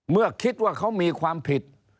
เมื่อคิดว่าเขามีความผิด